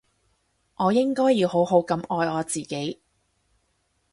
我應該要好好噉愛我自己